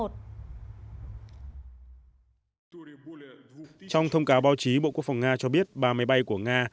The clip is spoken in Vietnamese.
trong thông cáo báo chí bộ quốc phòng nga cho biết ba máy bay của nga